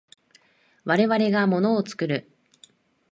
我々が物を作る。